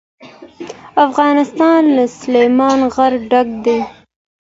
افغانستان له سلیمان غر ډک دی.